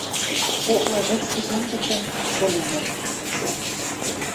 «Коклы вӹц тӹжем гӹцӹн — Поленов